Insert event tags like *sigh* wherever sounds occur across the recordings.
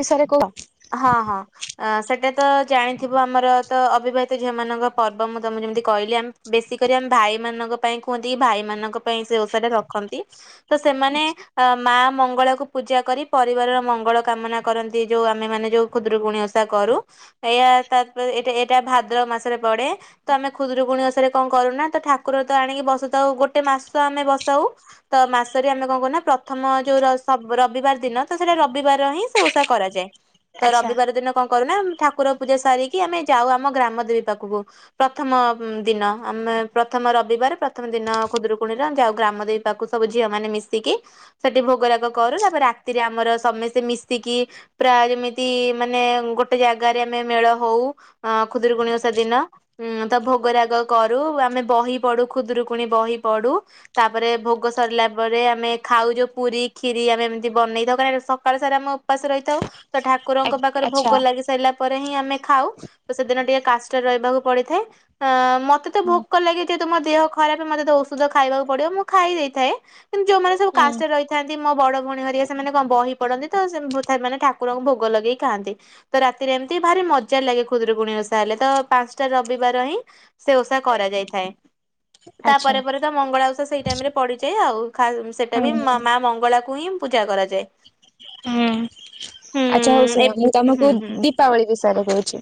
ବିଷୟରେ କୁହ। ହଁ ହଁ। ଆଁ ସେଟା ତ ଜାଣିଥିବ ଆମର ତ ଅବିବାହିତ ଝିଅ ମାନଙ୍କ ପର୍ବ ମୁଁ ତମୁକୁ ଯେମିତି କହିଲି ଆମ୍ ବେଶୀ କରି ଆମେ ଭାଇ ମାନଙ୍କ ପାଇଁ କୁହନ୍ତି କି ଭାଇମାନାନଙ୍କ ପାଇଁ ସେ ଓସାଟା ରଖନ୍ତି। ତ ସେମାନେ ଅ ମା ମଙ୍ଗଳା କୁ ପୂଜା କରି ପରିବାରର ମଙ୍ଗଳ କାମନା କରନ୍ତି ଯୋଉ ଆମେ ମାନେ ଯୋଉ ଖୁଦୁରୁକୁଣୀ ଓଷା କରୁ। ଏଇଆ ତାପରେ ଏଇଟା-ଏଇଟା ଭାଦ୍ରବ ମାସରେ ପଡେ। ତ ଆମେ ଖୁଦୁରୁକୁଣୀ ଓଷା ରେ କଣ କରୁନା ତ ଠାକୁର ତ ଆଣିକି ବସୁଥାଉ ଗୋଟେ ମାସ ଆମେ ବସାଉ। ତ ମାସରେ ଆମେ କଣ କରୁନା ପ୍ରଥମ ଯୋଉ ର-ସ ରବିବାର ଦିନ ତ ସେଇଟା ରବିବାର ହିଁ ସେ ଓସା କରାଯାଏ। ତ ଆଚ୍ଛା ରବିବାର ଦିନ କଣ କରୁନା ଆମ୍ ଠାକୁର ପୂଜା ସାରିକି ଆମେ ଯାଉ ଆମ ଗ୍ରାମଦେବୀ ପାଖୁକୁ। ପ୍ରଥମ ଦିନ ଆମେ ପ୍ରଥମ ରବିବାରେ ପ୍ରଥମ ଦିନ ଖୁଦରୁକୁଣୀରେ ଆଉ ଗ୍ରାମଦେବୀ ତାକୁ ସବୁ ଝିଅ ମାନ ମିଶିକି ସେଠି ଭୋଗରାଗ କରୁ ତାପରେ ରାତିରେ ଆମର ସମସ୍ତେ ମିଶ ମିଶିକି ପ୍ରାୟ ଯେମିତି ମାନେ ଗୋଟେ ଜାଗାରେ ଆମେ ମେଳ ହଉ। ହଁ ଖୁଦୁରୁକୁଣୀ ଓଷା ଦିନ। ହୁଁ ତ ଭୋଗରାଗ କରୁ ଆମେ ବହି ପଢୁ ଖୁଦରୁକୁୁଣି ବହି ପଢୁ। ତାପରେ ଭୋଗ ସରିଲା ପରେ ଆମେ ଖାଉ ଯୋଉ ପୁରୀ, ଖିରି ଆମେ ଏମିତି ବନେଇଥାଉ। କାହିଁକି ନା ସକାଳ ସାରା ଆମ ଉପାସ ରହିଥାଉ ତ ଠାକୁରଙ୍କ ପାଖରେ ଭୋଗ ଆଚ୍ଛା। ଲାଗି ସାରିଲା ପରେ ହିଁ ଆମେ ଖାଉ ସେଦିନ ଟିକେ କାଷ୍ଟରେ ରହିବାକୁ ପଡିଥାଏ ମତେ ତ ହୁଁ। ଭୋକ ଲାଗେ ଯେହେତୁ ମୋ ଦେହ ଖରାପ ମୋତେ ତ ଔଷଧ ଖାଇବାକୁ ପଡିବ ମୁଁ ଖାଇ ଦେଇଥାଏ। କିନ୍ତୁ ଯୋଉମାନେ ସବୁ ହୁଁ। କାଷ୍ଟରେ ରହିଥାନ୍ତି ମୋ ବଡ ଭଉଣୀ ହରିଆ ସେମାନେ କଣ ବହି ପଡନ୍ତି ତ ସେ ମାନେ ଠାକୁରଙ୍କୁ ଭୋଗ ଲଗେଇ ଖାଆନ୍ତି। ତ ରାତିରେ ଏମିତି ଭାରି ମଜା ଲାଗେ ଖୁଦ୍ରରୁକୁୁଣୀ ଓଷା ହେଲେ ତ ପାଞ୍ଚଟା ରବିବାର ହିଁ ସେ ଓସା କରାଯାଇଥାଏ। ଆଚ୍ଛା। ତାପରେ ପରେ ତ ମଙ୍ଗଳାଉଷା ସେଇ ଟାଇମ ରେ ପଡିଯାଏ ଆଉ ଖା ସେ ସେଟା ହୁଁ ବି ମା ମା ମଙ୍ଗଳାକୁ ହିଁ ପୂଜା କରାଯାଏ ହୁଁ। ହୁଁ ଆଚ୍ଛା ହଉ ଏ ଶୁଣ ମୁଁ ତମକୁ ହୁଁ ହୁଁ ଦୀପାବଳି ବିଷୟରେ କହୁଛି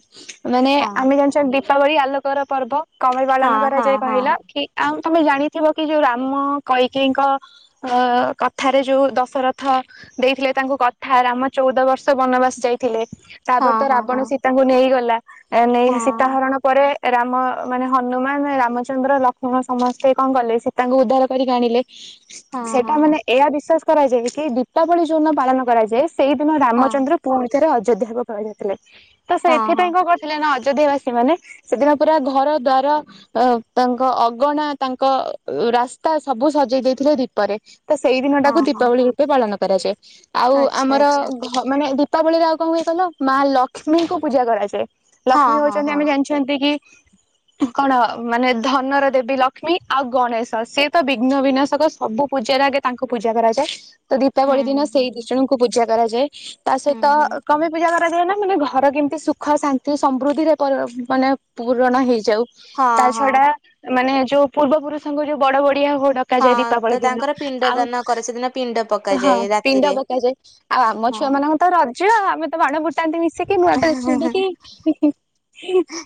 ମାନେ ହଁ। ଆମେ ଦୀପାବଳି ଆଲୋକର ପର୍ବ କଣ ପାଇ ହଁ ପାଳନ ହଁ କରାଯାଏ କହିଲ ହଁ କି ଆଉ ତମେ ଜାଣିଥିବ କି ଯୋଉ ରାମ କୈକେଇଙ୍କ ଅ କଥାରେ ଯୋଉ ଦଶରଥ ଦେଇଥିଲେ ତାଙ୍କୁ କଥା ରାମ ଚଉଦ ବର୍ଷ ବନବାସ ଯାଇଥିଲେ ତାପରେ ତ ହଁ ହଁ ରାବଣ ସୀତାଙ୍କୁ ନେଇଗଲା ନେଇ ହଁ ସୀତା ହରଣ ପରେ ରାମ ମାନେ ହନୁମାନ ରାମଚନ୍ଦ୍ର ଲକ୍ଷ୍ମଣ ସମସ୍ତେ କଣ କଲେ ସୀତାଙ୍କୁ ଉଦ୍ଧାର କରିକି ଆଣିଲେ। ହଁ ସେଟା ହଁ ମାନେ ଏହା ବିଶ୍ୱାସ କରାଯାଏ କି ଦୀପାବଳି ଯୋଉଦିନ ପାଳନ କରାଯାଏ ସେଇଦିନ ହଁ ଚନ୍ଦ୍ର ପୁଣି ଥରେ ଅଯୋଧ୍ୟାକୁ କରିଥିଲେ ତ ହଁ ହଁ ହଁ ସେଥିପାଇଁ କଣ କରଥିଲେ ନା ଅଯୋଧ୍ୟା ବାସୀ ମାନେ ସେଦିନ ପୁରା ଘର ଦ୍ୱାର ଅ ତାଙ୍କ ଅଗଣା ତାଙ୍କ ରାସ୍ତା ସବୁ ସଜେଇ ଦେଇଥିଲେ ଦୀପରେ। ତ ସେଇ ଦିନ ହଁ ଟାକୁ ହଁ ଦୀପାବଳି ରୂପେ ପାଳନ କରାଯାଏ ଆଉ ଆଚ୍ଛା ଆମର ଆଚ୍ଛା ମାନେ ଦୀପାବଳିରେ ଆଉ କଣ ହୁଏ କହିଲ ମା ଲକ୍ଷ୍ମୀଙ୍କୁ ପୂଜା କରାଯାଏ ହଁ ଲକ୍ଷ୍ମୀ ହଁ ହଉଛନ୍ତି ହଁ ଆମେ ଜାଣିଛୁ ଛନ୍ତି କି କଣ ମାନେ ଧନର ଦେବୀ ଲକ୍ଷ୍ମୀ ଆଉ ଗଣେଶ ସେ ତ ବିଘ୍ନ ବିନାଶକ ସବୁ ପୂଜାରେ ଆଗେ ତାଙ୍କୁ ପୂଜା କରାଯାଏ ତ ହୁଁ ଦୀପାବଳି ଦିନ ହୁଁ ହୁଁ ସେଇ ଦିଜଣଙ୍କୁ ପୂଜା କରାଯାଏ। ତା ହୁଁ ସହିତ ହୁଁ ହୁଁ କଣ ପାଇ ପୂଜା କରାଯାଏ ନା ମାନେ ଘର କେମିତି ସୁଖ ଶାନ୍ତି ସମୃଦ୍ଧିରେ ମାନେ ପୂରଣ ହେଇଯାଉ ତା ହଁ ହଁ ଛଡା ମାନେ ଯୋଉ ପୂର୍ବ ପୁରୁଷଙ୍କ ଯୋଉ ବଡ ବଡିଆ ହୋ ଡ ହଁ ଡକାଯାଏ ତ ଦୀପାବଳି ଦିନ ତାଙ୍କର ପିଣ୍ଡ ଆଉ ଦାନ କରେ ସେଦିନ ପିଣ୍ଡ ହଁ ପକାଯାଏ ପିଣ୍ଡ ରାତିରେ ପକାଯାଏ ଆଉ ଆମ ଛୁଆ ମାନ ତମର ତ ରଜ ଆମେ ତ ବାଣ ଫୁ ଫୁଟାନ୍ତି ମିଶିକି ହଁ ନୂଆ ଡ୍ରେସ ପିନ୍ଧିକି।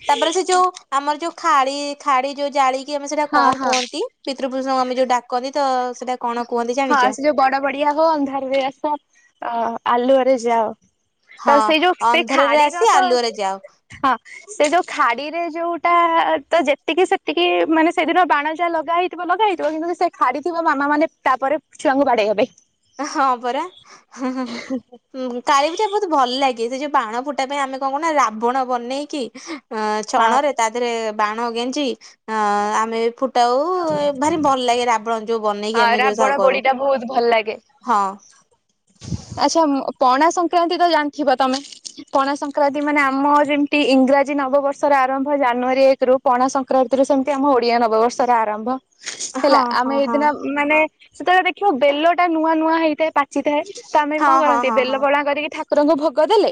ତାପରେ ସେ ଯୋଉ ଆମର ଯୋଉ ଖାଳି ଖାଡି ଯୋଉ ଜାଳିକି ଆମେ ସେଇଟା ହଁ କଣ ହଁ କୁହନ୍ତି। ପିତୃପୁରୁଷଙ୍କୁ ଆମେ ଯଉ ଡାକନ୍ତି ତ ସେଇଟା କଣ କୁହନ୍ତି ହଁ ଜାଣିଛ। ସେ ଯୋଉ ବଡ ବଡିଆ ହୋ ଅନ୍ଧାରରେ ଆସ ଅ ଆଲୁଅରେ ଯାଅ ତ ହଁ ସେ ଯୋଉ ସେ ଅନ୍ଧାରରେ ଖାଡିର ଆସି ତ ଆଲୁଅରେ ଯାଅ ହଁ। ସେ ଯୋଉ ଖାଡିରେ ଯୋଉଟା ତ ଯେତିକି ସେତିକି ମାନେ ସେଦିନ ବାଣ ଯା ଲଗା ହେଇ ଥିବ ଲଗା ହେଇଥିବ କିନ୍ତୁ ସେ ଖାଡ଼ିଥିବ ମାମା ମାନେ ତାପରେ ଛୁଆଙ୍କୁ ବାଡେଇବା ପାଇ। ହଁ ପରା ହୁଁ ହୁଁ। କାଳୀ ପୂଜା ବହୁତ ଭଲ ଲାଗେ ସେ ଯୋଉ ବାଣ ଫୁଟା ପାଇଁ ଆମେ କଣ କରୁନା ସେ ରାବଣ ବନେଇକି ଅ ହଁ ଛଣରେ ତା ଦେହରେ ବାଣ ଗେଞ୍ଜି ଅ ଆମେ ଫୁ ଟ ଭାରି ଭଲ ଲାଗେ ରାବଣ ଯୋଉ ବନେଇକି ହଁ ଆମେ ଯୋଉ ସବୁ ରାବଣ କରୁ। ପୋଡିଟା ବହୁତ ଭଲ ଲାଗେ। ହଁ। ଆଚ୍ଛା, ପଣା ସଂକ୍ରାନ୍ତି ତ ଜାଣିଥିବ ତମେ? ପଣା ସଂକ୍ରାନ୍ତି ମାନେ ଆମ ଯେମିତି ଇଂରାଜୀ ନବବର୍ଷର ଆରମ୍ଭ ଜାନୁଆରୀ ଏକ ରୁ ପଣା ସଂକ୍ରାନ୍ତି ରେ ସେମତି ଆମ ଓଡିଆ ନବବର୍ଷର ଆରମ୍ଭ ହେଲା। ହଁ ଆମେ ହଁ ହଁ ଏଇଦିନ ମାନେ ସେତେବେଳେ ଦେଖିବ ବେଲ ଟା ନୂଆ ନୂଆ ହେଇଥାଏ। ପା ଚି ଥାଏ। ତ ଆମେ ବି କଣ ହଁ କରନ୍ତି ହଁ ହଁ ବେଲ ହଁ। ପଣା କରିକି ଠାକୁରଙ୍କୁ ଭୋଗ ଦେଲେ।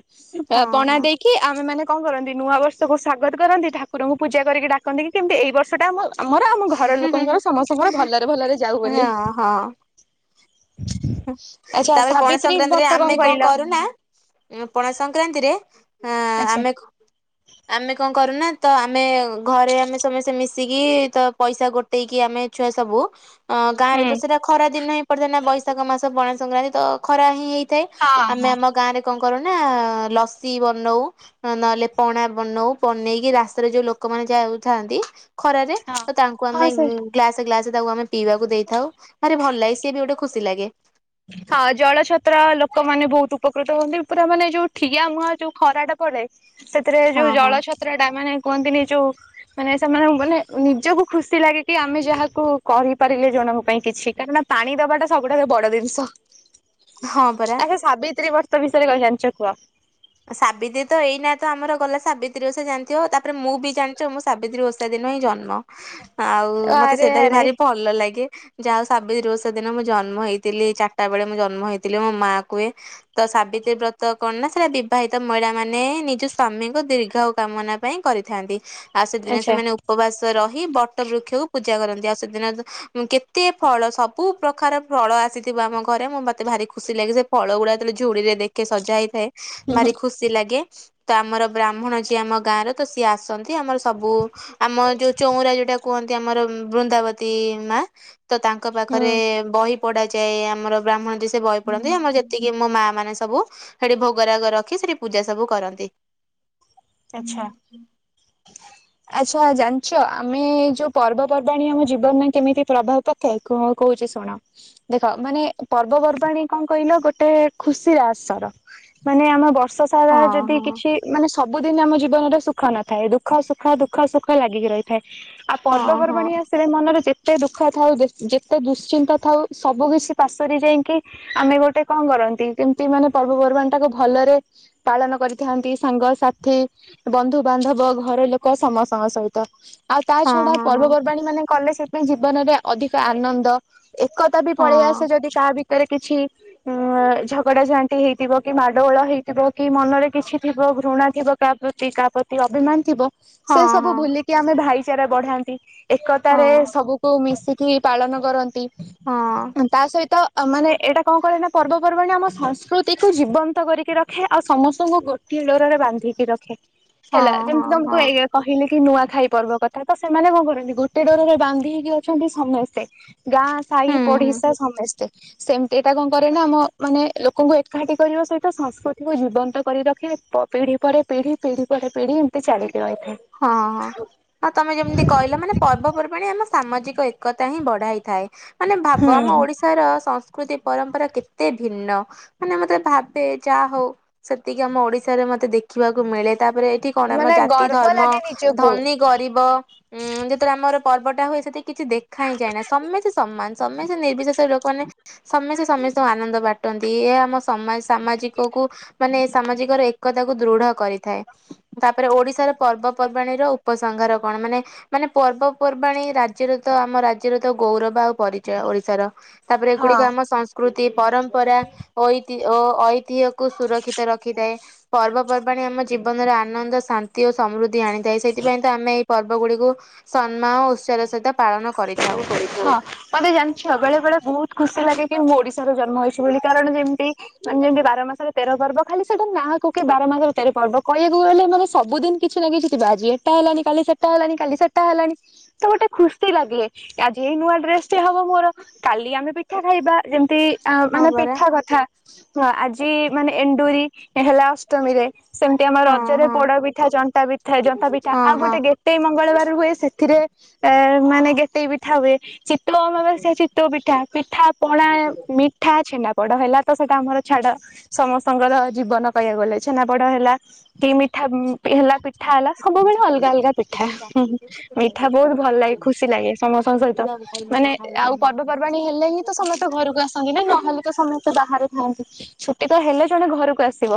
ହଁ ପଣା ହଁ ଦେଇକି କି ଆମେ ମାନେ କଣ କରନ୍ତି ନୂଆ ବର୍ଷକୁ ସ୍ଵାଗତ କରନ୍ତି। ଠାକୁରଙ୍କୁ ପୂଜା କରିକି ଡାକନ୍ତି କି କେମିତି ଏଇ ବର୍ଷଟା ଆମ ଆମର ଆମ ଘର ହୁଁ ହୁଁ ଲୋକଙ୍କର ସମସ୍ତଙ୍କର ଭଲରେ ଭଲରେ ଯାଉ ହୁଁ ବୋଲି। ହଁ ହଁ ଆଚ୍ଛା, ତାପରେ ପଣା ସାବିତ୍ରୀ ସଂକ୍ରାନ୍ତିରେ ବର୍ତ୍ତ କଣ ଆମେ କହିଲ? କରୁନା ପଣା ସଂକ୍ରାନ୍ତିରେ ଆ ଆଚ୍ଛା ଆମେ ଆମେ କଣ କରୁନା ତ ଆମେ ଘରେ ଆମେ ସମସ୍ତେ ମିଶିକି ତ ପଇସା ଗୋ ଟେଇକି ଆମେ ଛୁଆ ସବୁ ଅଁ ଗାଁରେ ତ ହୁଁ। ସେଇଟା ଖରା ଦିନ ହିଁ ପଡିଥାଏ, ନା। ବୈଶାଖ ମାସ ବଣା ସଂକ୍ରାନ୍ତି ତ ଖରା ହିଁ ହେଇ ଥାଏ। ହଁ ଆମେ ହଁ ଆମ ଗାଁରେ କଣ କରୁନା ଲସି ବନଉ। ନହେଲେ ପଣା ବନଉ। ବନେଇକି ରାସ୍ତାରେ ଯୋଉ ଲୋକମାନେ ଯାଉଥାନ୍ତି ଖରାରେ ହଁ ତ ତାଙ୍କୁ ହଁ ଆମେ ସେ ଗ୍ଲାସ ଗ୍ଲାସ ତାକୁ ଆମେ ପିଇବାକୁ ଦେଇଥାଉ। ଭାରି ଭଲ ଲାଗେ ସିଏ ବି ଗୋଟେ ଖୁସି ଲାଗେ। ହଁ ଜଳ ଛତ୍ର ଲୋକମାନେ ବହୁତ ଉପକୃତ ହୁଅନ୍ତି। ପୁରା ମାନେ ଯୋଉ ଠିଆ ମୁହାଁ ଯୋଉ ଖରା ଟା ପଡେ ସେଥିରେ ହଁ ଯୋଉ ହଁ ଜଳଛତ୍ରଟା ମାନେ କୁହନ୍ତିନି ଯୋଉ ମାନେ ସେମାନଙ୍କୁ ମାନେ ନିଜକୁ ଖୁସି ଲାଗେ କି ଆମେ ଯାହାକୁ କରିପାରିଲେ ଜଣଙ୍କ ପାଇଁ କିଛି। କାରଣ ପାଣି ଦବାଟା ସବୁଠାରୁ ବଡ ଜିନି ଆଚ୍ଛା, ହଁ ପରା। ସାବିତ୍ରୀ ବର୍ତ ବିଷୟରେ କଣ ଜାଣିଚ କୁହ? ସାବିତ୍ରୀ ତ ଏଇନା ତ ଆମର ଗଲା ସାବିତ୍ରୀ ଓଷା ଜାଣିଥିବ। ତାପରେ ମୁଁ ବି ଜାଣିଚ ମୁଁ ସାବିତ୍ରୀ ଓଷା ଦିନ ହିଁ ଜନ୍ମ। ଆଉ ମତେ ଆରେ ସେଇଟା ବି ଆରେ ଭାରି ଭଲ ଲାଗେ। ଯାଆ ହେଉ ସାବିତ୍ରୀ ଓଷା ଦିନ ମୁଁ ଜନ୍ମ ହେଇଥିଲି। ଚାରିଟା ବେଳେ ମୁଁ ଜନ୍ମ ହେଇଥିଲି, ମୋ ମା କୁହେ। ତ ସାବିତ୍ରୀ ବ୍ରତ କରିନଥିଲେକି ବି ବିବାହିତ ମହିଳା ମାନେ ନିଜ ସ୍ଵାମୀଙ୍କ ଦୀର୍ଘାୟୁ କାମନା ପାଇଁ କରିଥାନ୍ତି। ଆଉ ସେଦିନେ ଆଚ୍ଛା ସେମାନେ ଉ ଉପବାସ ରହି ବଟ ବୃକ୍ଷକୁ ପୂଜା କରନ୍ତି। ଆଉ ସେଦିନ କେତେ ଫଳ ସବୁ ପ୍ରକାର ଫଳ ଆସିଥିବ। ଆମ ଘରେ, ମୁଁ ମତେ ଭାରି ଖୁସି ଲାଗେ ସେ ଫଳ ଗୁଡା ଯେତେବଳେ ଝୁଡିରେ ଦେଖେ ସଜା ହେଇଥାଏ ଭାରି ଖୁସି ଲାଗେ। ତ ଆମର ବ୍ରାହ୍ମଣ ଯିଏ ଆମ ଗାଁ ର ତ ସିଏ ଆସନ୍ତି। ଆମର ସବୁ, ଆମ ଯୋଉ ଚଉରା ଯୋଉଟା କୁହନ୍ତି ଆମର ବୃନ୍ଦାବତୀ ମା। ତ ତାଙ୍କ ହୁଁ ପାଖରେ ବହି ପଢା ଯାଏ। ଆମର ବ୍ରାହ୍ମଣ ଯେ ସେ ବହି ପଢନ୍ତି। ଆମର ଯେତିକି ମୋ ମା ମାନେ ସବୁ ସେଠି ଭୋଗରାଗ ର ରଖି ସେଠି ପୂଜା ସବୁ କରନ୍ତି। ଆଚ୍ଛା। *unintelligible* ଆଚ୍ଛା। ଜାଣିଚ ଆମେ ଯୋଉ ପର୍ବପର୍ବାଣି ଆମ ଜୀବନରେ କେମିତି ପ୍ରଭାବ ପକ୍ ଥାଏ, କଣ କହୁଚି ଶୁଣ। ଦେଖ ମାନେ ପର୍ବପର୍ବାଣୀ କଣ କହିଲ, ଗୋଟେ ଖୁସିର ଆସର। ମାନେ ଆମ ବର୍ଷ ସାରା ହଁ ଯଦି କିଛି ମାନେ ସ ବୁଦ୍ଧିମାନର ଜୀବନଟା ସୁଖ ନ ଥାଏ। ଦୁଃଖ ସୁଖ ଦୁଃଖ ସୁଖ ଲାଗି କି ରହିଥାଏ। ଥାଏ। ଆଉ ହଁ ହଁ ପର୍ବପର୍ବାଣି ଆସ୍ ସେ ମନରେ ଯେତେ ଦୁଃଖ ଥାଉ ଯେ-ଯେତେ ଦୁଶ୍ଚିନ୍ତା ଥାଉ, ସବୁ କିଛି ପାସୋରି ଯାଇଙ୍କି ଆମେ ଗୋଟେ କଣ କରନ୍ତି, କେମତି ମାନେ ପର୍ବପର୍ବାଣିଟାକୁ ଭଲରେ ପାଳନ କରିଥାନ୍ତି। ସାଙ୍ଗସା ଥି, ବନ୍ଧୁବାନ୍ଧବ, ଘର ଲୋକ ସମସ୍ତଙ୍କ ସହିତ। ଆଉ ତା ହଁ ଛଡା ହଁ ପର୍ବପର୍ବାଣି ମାନ କଲେ ସେଠି ଜୀବନରେ ଅଧିକ ଆନନ୍ଦ। ଏକତା ବି ହଁ ପଳେଇ ଆସେ, ଯଦି କା ଭିତରେ କିଛି ଉଁ ଝଗଡା ଝାଣ୍ଟି ହେଇଥିବ, କି ମାଡ଼ୋଗୋଳ ହେଇଥିବ, କି ମନରେ କିଛି ଥିବ ଘୃଣା ଥିବ କାହା ପ୍ରତି କାହା ପ୍ରତି ଅଭିମାନ ଥିବ ହଁ ସେ ସବୁ ଭୁଲିକି ଆମେ ଭାଇଚାରା ବଢାନ୍ତି। ହଁ ହଁ ହଁ ହଁ ଏକତାରେ ସବୁକୁ ମିଶିକି ପାଳନ କରନ୍ତି। ହଁ ହଁ ତା ସହିତ ତା ମାନେ ଏଇଟା କଣ କହଲ, ନା ପର୍ବପର୍ବାଣି ଆମ ସ ସଂସ୍କୃତିକୁ ଜୀବନ୍ତ କରିକି ରଖେ, ଆଉ ସମସ୍ତଙ୍କୁ ଗୋଟିଏ ଡୋରରେ ବାନ୍ଧିକି ରଖେ। ହେଲା ହଁ ଯେମିତି ତମକୁ ହଁ ଇଏ କହିଲେ କି ନୂଆ ଖାଇ ପର୍ବ କଥା। ତ ସେମାନେ କଣ କରନ୍ତି, ଗୋଟେ ଡୋରରେ ବାନ୍ଧି ହେଇକି ଅଛନ୍ତି ସମେସ୍ତେ। ଗାଁ, ହୁଁ ସାହି, ହୁଁ ପଡିଶା ସମସ୍ତେ। ସେମିତି ଏଟା କଣ କରେ ନା, ଆମ ମାନେ ଲୋକଙ୍କୁ ଏକାଠି କରିବା ସହିତ ସଂସ୍କୃତିକୁ ଜୀବନ୍ତ କରି ରଖେ। ପିଢି ପରେ ପିଢି, ପିଢି ପରେ ପିଢ଼ି ଏମିତି ଚାଲିକି ରହିଥାଏ। ହଁ ହଁ, ଆଉ ତମେ ଯେମିତି କହିଲ ମାନେ ପର୍ବପର୍ବାଣି ଆମ ସାମାଜିକ ଏକତା ହିଁ ବଢାଇଥାଏ, ମାନେ ଭାବ ଆମ ହୁଁ। ଓଡିଶା ର ସଂସ୍କୃତି ପରମ୍ପରା କେତେ ଭିନ୍ନ, ମାନେ ମୁଁ ଯେତବଳେ ଭାବେ ଯା ହଉ ସେତିକି ଆମ ଓଡିଶାରେ ମତେ ଦେଖିବାକୁ ମିଳେ। ତା ପରେ ଏଇଠି କଣ ଆମ ମାନେ ଜାତି ଗର୍ବ ଧର୍ମ, ଲାଗେ ନିଜକୁ ଧନୀ ଗରିବ ଉୁଁ ଯେତେବେଳେ ଆମର ପର୍ବଟା ହୁଏ, ସେଠି କିଛି ଦେଖା ହିଁ ଯାଏନା ସମେତ ସମାନ। ସମସ୍ତେ ନିର୍ବିଶେଷରେ ଲୋକମାନେ ସମସ୍ତେ ସମସ୍ତଙ୍କୁ ଆନନ୍ଦ ବା ଣ୍ଟନ୍ତି। ଏହା ଆମ ସମାଜ ସାମାଜିକକୁ ମାନେ ସାମାଜିକର ଏକତାକୁ ଦୃଢ କରିଥାଏ। ତା ପରେ ଓଡିଶାର ପର୍ବପର୍ବାଣୀର ଉପସଂହାର କଣ? ମାନେ ମାନେ ପର୍ବପର୍ବାଣୀ ରାଜ୍ୟର ତ ଆମ ରାଜ୍ୟର ତ ଗୌରବ ଆଉ ପରିଚୟ ଓଡିଶାର। ତା ପରେ ହଁ। ଏଗୁଡିକ ଆମ ସଂସ୍କୃତି, ପରମ୍ପରା, ଐତି ଓ ଐତିହ କୁ ସୁରକ୍ଷିତ ରଖିଥାଏ। ପର୍ବପର୍ବାଣି ଆମ ଜୀବନର ଆନନ୍ଦ ଶାନ୍ତି ଓ ସମୃଦ୍ଧି ଆଣି ଥାଏ। ସେଥିପାଇଁ ତ ଆମେ ଏଇ ପର୍ବଗୁଡିକୁ ସମ୍ମାନ ଓ ଉତ୍ସାହର ସହିତ ପାଳନ କରିଥାଉ। ହଁ, ତମେ ଜାଣିଛ ବେଳେ ବେଳେ ବହୁତ ଖୁସି ଲାଗେ କି ମୁଁ ଓଡିଶାରେ ଜନ୍ମ ହେଇଛି ବୋଲି। କାରଣ ଯେମିତି ମାନେ ଯେମିତି ବାର ମାସର ତେର ପର୍ବ। ଖାଲି ସେଟା ନାଁକୁ କି ବାର ମାସରେ ତେର ପର୍ବ କହିବାକୁ ଗଲେ ମାନେ ସବୁଦିନ କିଛି ନା କିଛି ବାଜେ ଏଟା ହେଲାଣି, କାଲି ସେଟା ହେଲାଣି, କାଲି ସେଟା ହେଲାଣି ତ ଗୋଟେ ଖୁସି ଲାଗେ। ଆଜି ଏଇ ନୂଆ ଡ୍ରେସଟେ ହବ ମୋର। କାଲି ଆମେ ପିଠା ଖାଇବା। ଯେମତି ଆଉ ହଁ ମାନେ ପରା ପିଠା କଥା। ହଁ, ଆଜି ମାନେ ଏଣ୍ଡୁରି ହେଲା ଅଷ୍ଟମୀରେ। ସେମିତି ଆମ ହଁ ରଜରେ ହଁ ପୋଡ ପିଠା, ଜନ୍ତା ପିଠା, ଜନ୍ତା ପିଠା ଆଉ ଗୋଟେ ହଁ ଗୋଟେ ମଙ୍ଗଳବାର ହୁଏ, ସେଥିରେ ମାନେ ଗେଟେଇ ପିଠା ହୁଏ। ଚିତ୍ତଉ ଅମାବାସ୍ୟାରେ ଚିତ୍ତଉ ପିଠା। ପିଠାପଣା ମି ପିଠା, ଛେନା ପୋଡ ହେଲା ତ ସେଇଟା ଆମର ଛାଡ। ସମସ୍ତଙ୍କର ଜୀବନ କହିବାକୁ ଗଲେ, ଛେନାପୋଡ ହେଲା କି ମିଠା ହେଲା, ପିଠା ହେଲା ସବୁବେଳେ ଅଲଗା ଅଲଗା ପିଠା। ମିଠା ବହୁତ ଭଲ ଲାଗେ। ହଁ। ଖୁସି ଲାଗେ ସମସ୍ତଙ୍କ ସହିତ, ତୁ ତାକୁ କହିଲୁ ସେ ମାନେ ଆଉ ଖାଇବନି ପର୍ବପର୍ବାଣୀ ହେଲେ ହିଁ ତ ସମ ଘରକୁ ଆସନ୍ତି ନା। ନ ହେଲେ ତ ସମସ୍ତେ ବାହାରେ ଥାଆନ୍ତି। ଛୁଟି ତ ହେଲେ ଜଣେ ଘରକୁ ଆସି ବ।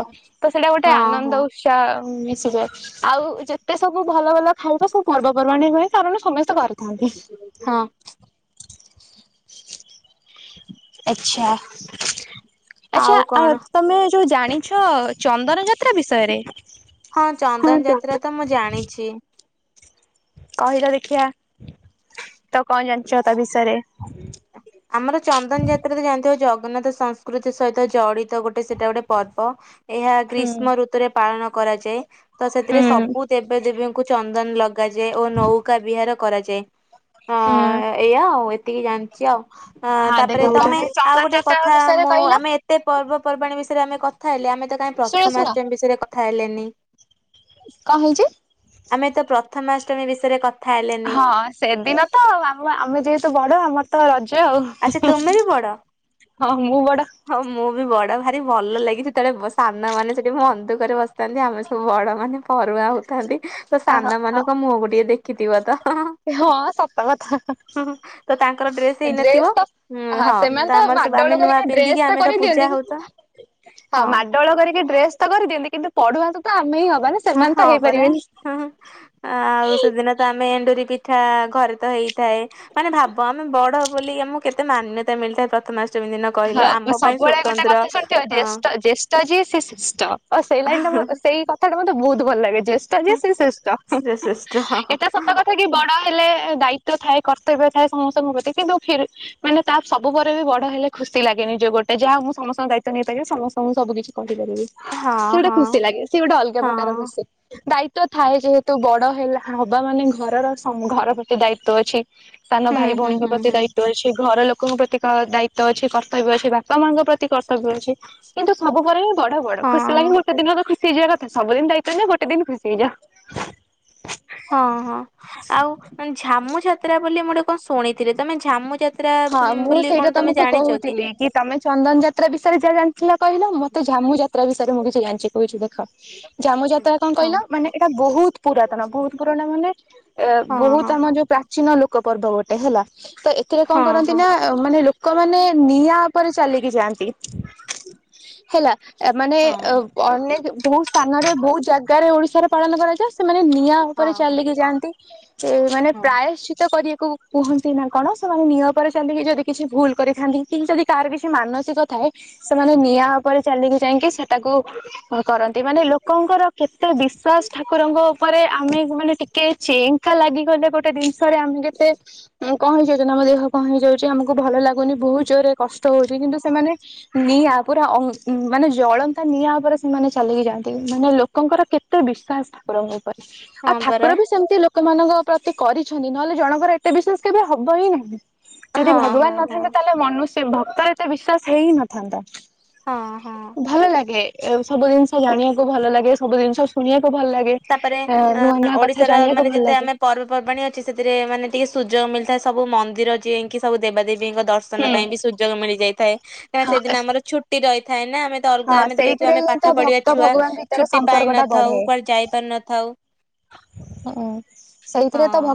ସେଇଟା ଗୋଟେ ହଁ ଆନନ୍ଦ ହଁ ଉତ୍ସାହ ମିଶିବ। ଆଉ ଯେତେ ସବୁ ଭଲ ଭଲ ଖାଇବା, ସବୁ ପର୍ବପର୍ବାଣିରେ ହୁଏ। କାରଣ ସମସ୍ତେ ଘରେ ଥାଆନ୍ତି। ହଁ। ଆଚ୍ଛା। ଆଚ୍ଛା ଆଉ କଣ ତମେ ଯୋଉ ଜାଣିଛ ଚନ୍ଦନ ଯାତ୍ରା ବିଷୟରେ? ହଁ ଚନ୍ଦନ ଯାତ୍ରା ତ ମୁଁ ଜାଣିଛି। କହିଲ ଦେଖିଆ ତ କଣ ଜାଣିଛ ତା ବିଷୟରେ? ଆମର ଚନ୍ଦନ ଯାତ୍ରାରେ ଜାଣିଥିବ ଜଗନ୍ନାଥ ସଂସ୍କୃତି ସହିତ ଜଡିତ ଗୋଟେ ସେଟା ଗୋଟେ ପ ଏହା ହୁଁ ଗ୍ରୀଷ୍ମ ଋତୁରେ ପାଳନ କରାଯାଏ, ତ ସେଥିରେ ସବୁ ହୁଁ ଦେବ ଦେବୀଙ୍କୁ ଚ ଚନ୍ଦନ ଲଗାଯାଏ, ଓ ନୌକା ବିହାର କରାଯାଏ। ହଁ ଏଇଆ ଆଉ, ଏତିକି ଜାଣିଛି ଆଉ। ଅ ହଁ ଦେଖ ତାପରେ ତମେ ଆଉ ଚନ୍ଦନ ଗୋଟେ ଯାତ୍ରା କଥା ବିଷୟରେ ମୁଁ କହିଲ ଆମେ ଏତେ ପର୍ବପର୍ବାଣି ବିଷୟରେ ଆମେ କଥା ହେଲେ ଆମେ ତ କାହିଁ ଶୁଣ ଶୁଣ ପ୍ରଥମାଷ୍ଟମୀ ବିଷୟରେ କଥା ହେଲେନି? *unintelligible* ଆମେ ତ ପ୍ରଥମାଷ୍ଟମୀ ବିଷୟରେ କଥା ହେଲେନି। ହଁ ସେଦିନ ତ ଆମ ଆମେ ଯେହେତୁ ବଡ ଆମର ତ ରଜ ସେ ଆଚ୍ଛା ଆଉ ତୁମେ ବି ବଡ? ହଁ ମୁଁ ବଡ ହଁ ମୁଁ ବି ବଡ ଭାରି ଭଲ ଲାଗେ, ସେତେବେଳେ ସାନମାନେ ସେଠିଁ ମନଦୁଃଖ ରେ ବସିଥାନ୍ତି, ଆମେ ବଡ ମାନେ ପରୁଆହା ହଉଥାନ୍ତି ତ ସାନ ଓହୋ ମାନଙ୍କ ମୁହଁକୁ ଟିକେ ଦେଖିଥିବ ତ ହଁ ସତ କଥା। ତ ତାଙ୍କର ହେଇନଥିବ। ଡ୍ରେସ ତ ହୁଁ ହଁ ତ ସେମାନେତ ଆମର ମାଡ ସବୁ ଆମେ ଗୋଳ ନୂଆ କରିକା ପିନ୍ଧିକି ଡ୍ରେସଟା ଆମେ ତ ପୂଜା କରିଦିଅନ୍ତି। ହଉ ତ କିନ୍ତୁ *unintelligible* ହଁ ଆଉ ମାଡ ଗୋଳ କରିକି ଡ୍ରେସ୍ ତ କରିଦିଅନ୍ତି କିନ୍ତୁ ପଢୁ ପଢ଼ୁ *unintelligible* ତ ଆମେ ହିଁ ହବାନା। ହଁ ହଁ ପରା ଆଉ ଦିନ ତ ଆମେ ଏଣ୍ଡୁରି ପିଠା ଘରେ ତ ହେଇଥାଏ। ମାନେ ଭାବ ଆମେ ବଡ ବୋଲି ଆମକୁ କେତେ ମାନ୍ୟତା ମିଳିଥାଏ, ପ୍ରଥମେ *unintelligible* ହଁ ସବୁବେଳେ ଗୋଟେ କଥା ଶୁଣିଥିବ ହଁ ଜେଷ୍ଠ ଜେଷ୍ଠ ଯିଏ ସେ ଶ୍ରେଷ୍ଠ ସେଇ ଲାଇଟା ସେଇ କଥାଟା ମତେ ବହୁତ ଭଲ ଲାଗେ, ଜେଷ୍ଠ ଯେ ଶ୍ରେଷ୍ଠ ଶ୍ରେଷ୍ଠ ଏଟା *unintelligible* ସତ କଥାକି ବଡ ହେଲେ ଦାୟିତ୍ୱ ଥାଏ କର୍ତ୍ତବ୍ୟ ଥାଏ ସମସ୍ତଙ୍କ ପ୍ରତି କିନ୍ତୁ ଫେର୍ ମାନେ ତା ସବୁ ପରେ ବି ବଡ ହେଲେ ଖୁସି ଲାଗେ ନିଜେ ଗୋଟେ ଯାହା ମୁଁ ସମସ୍ତଙ୍କ ଦାୟିତ୍ୱ ନେଇପାରିବି, ସମସ୍ତଙ୍କୁ ସବୁ କିଛି କହି କରିପାରିବି। ହଁ ସେ ଗୋଟେ ଖୁସି ହଁ। ଲାଗେ ସିଏ ଗୋଟେ ଅଲଗା ପ୍ରକାର ହଁ ଖୁସି, ଦାଇ ତ୍ଵ ଥାଏ ଯେହେତୁ ବଡ ହେଲା ହବା ମାନେ ଘରର ଘର ପ୍ରତି ଦାୟିତ୍ଵ ଅଛି। ସାନ ହୁଁ ଭାଇ ହୁଁ ଭଉଣୀଙ୍କ ହୁଁ ପ୍ରତି ହୁଁ ଦାୟିତ୍ଵ ଅଛି, ଘର ଲୋକଙ୍କ ପ୍ରତି ଦାୟି *unintelligible* ଅଛି କର୍ତ୍ତବ୍ୟ ଅଛି ବାପା ମାଙ୍କ ପ୍ରତି କର୍ତ୍ତବ୍ୟ ଅଛି କିନ୍ତୁ *unintelligible* ବି ବଡ ବଡ ଖୁସି ଲାଗି ହଁ ଗୋଟେ ଦିନ *unintelligible* ସି ହେଇଯିବା କଥା ସବୁଦିନ ଦାୟିତ୍ୱ ନିଅ ଗୋଟେ ଦିନ ଖୁସି ହେଇଯାଅ। ହଁ ହଁ ଆଉ ଝାମୁ ଯାତ୍ରା ବୋଲି ମୁଁ ଗୋଟେ କଣ ଶୁଣିଥିଲି ତମେ ଝାମୁ ଯାତ୍ରା ହଁ ମୁଁ ବୋଲି କଣ ସେଇଟା ତମେ ତମକୁ ଜାଣିଛ କହୁଥିଲି କି ତମେ ଚନ୍ଦନ ଯାତ୍ରା ବିଷୟରେ ଯାହା ଜାଣିଥିଲ କହିଲ, ମତେ ଝାମୁ ଯାତ୍ରା ବିଷୟରେ ମୁଁ କିଛି ଜାଣିଛିି କହୁଛି ଦେଖ ଝାମୁ ଯାତ୍ରା କଣ ହଁ କହିଲ ମାନେ ଏଇଟା ବହୁତ ପୁରାତନ ବହୁତ ପୁରଣା ମାନେ ଏ ହଁ ହଁ ବହୁତ ଆମ ଯୋଉ ପ୍ରାଚୀନ ଲୋକ ପର୍ବ ଗୋଟେ ହେଲା, ତ ଏଥିରେ କଣ ହଁ କରନ୍ତି ହଁ। ନା ମାନେ ଲୋକମାନେ ନିଆଁ ଉପରେ ଚାଲିକି ଯାଆନ୍ତି, ହେଲା। ଏ ମାନେ ହଁ ଅ ହଁ ଅନେକ ବହୁ ସ୍ଥାନରେ ବହୁତ ଜାଗାରେ ଓଡିଶାରେ ପାଳନ କରାଯାଏ। ସେମାନେ ନିଆଁ ଉପରେ ହଁ ଚାଲିକି ଯାଆନ୍ତି, ମାନେ ହଁ। ପ୍ରାୟଶ୍ଚିତ କରିବାକୁ କୁହନ୍ତି ନା କଣ ସେ ମାନେ ନିଆ ଉପରେ ଚାଲିକି ଯଦି କିଛି ଭୁଲ କରିଥାନ୍ତି କି ଯଦି କାହାର କିଛି ମାନସିକ ଥାଏ ସେମାନେ ନିଆଁ ଉପରେ ଚାଲିକି ଯାଇକି ସେଟାକୁ କ-କରନ୍ତି ମାନେ ଲୋକଙ୍କର କେତେ ବିଶ୍ୱାସ ଠାକୁରଙ୍କ ଉପରେ ଆମେ ମାନେ ଟି କେ ଚେଙ୍କା ଲାଗିଗଲେ ଗୋଟେ ଜିନିଷରେ ଆମେ ଯେତେ କଣ ହେଇଯାଉ ସେ ଦିନ ଆମ ଦେହ କଣ ହେଇଯାଉଚି। ଆମକୁ ଭଲ ଲାଗୁନି ବୋହୁତ ଜୋରରେ କଷ୍ଟ ହୋଉଚି କିନ୍ତୁ ସେମାନେ ନିଆ ପୁରା ଅ ମାନେ ଜଳନ୍ତା ନିଆଁ ଉପରେ ସେମାନେ ଚାଲିକି ଯାଆନ୍ତି ମାନେ ଲୋକଙ୍କର କେ ତେ ବିଶ୍ୱାସ। ଠାକୁରଙ୍କ ଉପରେ ଆଉ ହଁ ପରା ଠାକୁର ବି ସେମିତି ଲୋକମାନଙ୍କ ପ୍ରତି କରିଛନ୍ତି ନହେଲେ ଜଣଙ୍କର ଏତେ ବିଶ୍ୱାସ କେବେ ହ ବ ହିଁ ନାହିଁ ଯଦି ହଁ ହଁ ଭଗବାନ ହଁ। ନଥାନ୍ତେ ତାହେଲେ ମନୁଷ୍ୟ ଭକ୍ତର ଏତେ ବିଶ୍ଵାସ ହେଇ ହିଁ ନଥାନ୍ତା। ହଁ ହଁ। ଭଲ ଲାଗେ ଏଉ ସବୁ ଜିନିଷ ଜାଣିବାକୁ ଭଲ ଲାଗେ। ସବୁ ଜିନିଷ ଶୁଣିବାକୁ ଭଲ ଲାଗେ ତାପରେ ଆ ନୂଆ ନୂଆ କଥା ଜାଣିବାକୁ ଭଲ ଲାଗେ। ପର୍ବପର୍ବାଣି ଅଛି ସେଥିରେ ମାନେ ଟିକେ ସୁଯୋଗ ମିଳିଥାଏ ସବୁ ମନ୍ଦିର ଯି *unintelligible* କି ସବୁ ଦେବାଦେବୀଙ୍କ ଦର୍ଶନ ପାଇଁ ବି ସୁଯୋଗ ମିଳିଯାଇଥାଏ କାରଣ ସେଦିନ ହଁ ଆମର ଛୁଟି ରହିଥାଏ ନା ଆମେ ତ‌ ଅଲଗା ହଁ ଆମେ ଯେହେତୁ ସେଇଥିରେ ଆମେ ହିଁ ପାଠ ତ ପଢିବା ଭକ୍ତ ଛୁଆ। ଭଗବାନ ଭିତରେ ଛୁଟି ସମ୍ପର୍କ ଟା ପାଇନଥାଉ ବଢେ। କୁଆଡେ ଯାଇ ପାରି ନଥାଉ ହୁଁ ସେଇଥିରେ ହଁ। ତ